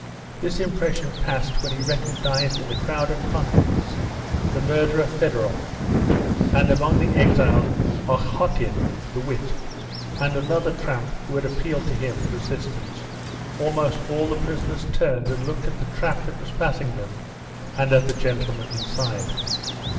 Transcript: This impression passed when he recognised in the crowd of convicts the murderer Federoff, and among the exiles Okhotin the wit, and another tramp who had appealed to him for assistance. Almost all the prisoners turned and looked at the trap that was passing them and at the gentleman inside.